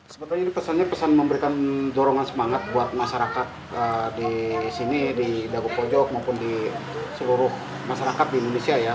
sebetulnya ini pesannya pesan memberikan dorongan semangat buat masyarakat di sini di dago pojok maupun di seluruh masyarakat di indonesia ya